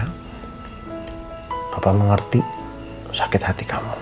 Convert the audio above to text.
tapi kamu sudah mengarudinya kehendakmu